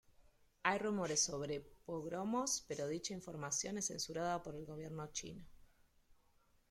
Hay rumores sobre pogromos, pero dicha información es censurada por el gobierno chino.